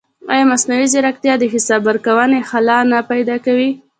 ایا مصنوعي ځیرکتیا د حساب ورکونې خلا نه پیدا کوي؟